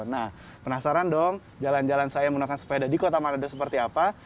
nah penasaran dong jalan jalan saya menggunakan sepeda di kota manado seperti apa